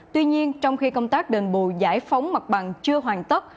tuy nhiên trong khi công tác đền bù giải phóng mặt bằng chưa hoàn tất